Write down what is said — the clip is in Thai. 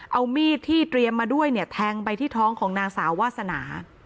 เอามีดที่เตรียมมาด้วยเนี่ยแทงไปที่ท้องของนางสาววาสนา